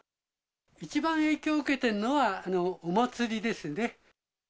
一番影響を受けているのは、お祭りですね。